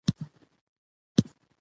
خج یو مهم مفهوم دی.